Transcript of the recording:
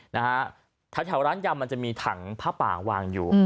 นะฮะแถวร้านยำมันจะมีถังผ้าป่าวางอยู่